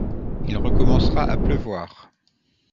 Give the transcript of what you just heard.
Il recommencera à pleuvoir.